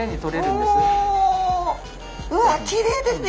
うわっきれいですね